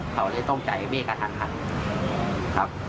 เขาเลยต้มใจเบกกระทัดครับ